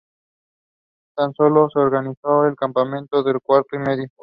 Tan solo se organizó el campeonato del Cuatro y Medio.